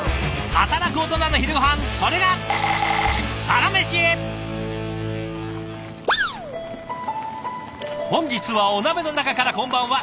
働くオトナの昼ごはんそれが本日はお鍋の中からこんばんは。